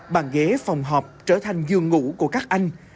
bàn ghế phòng họp trở thành giường ngủ của các anh